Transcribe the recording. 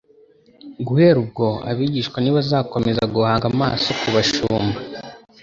Guhera ubwo abigishwa ntibazakomeza guhanga 'amaso ku bashumba